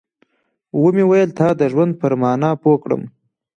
ومې ويل تا د ژوند پر مانا پوه کړم.